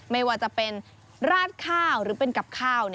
ไม่ว่าจะเป็นราดข้าวหรือเป็นกับข้าว